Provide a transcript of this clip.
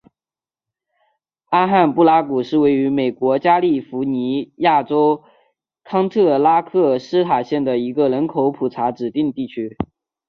阿罕布拉谷是位于美国加利福尼亚州康特拉科斯塔县的一个人口普查指定地区。